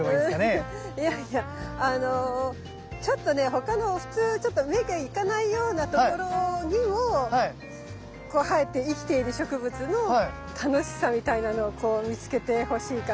いやいやあのちょっとね他の普通ちょっと目が行かないような所にも生えて生きている植物の楽しさみたいなのをこう見つけてほしいかなっていう。